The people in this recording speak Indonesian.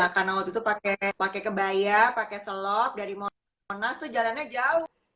karena waktu itu pakai kebaya pakai selop dari monas itu jalannya jauh